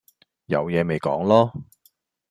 有嘢咪講囉